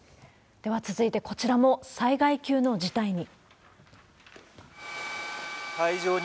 では続いて、こちらも災害級の事態に。